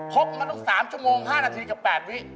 กมาตั้ง๓ชั่วโมง๕นาทีกับ๘วิ